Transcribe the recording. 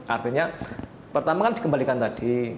artinya pertama kan dikembalikan tadi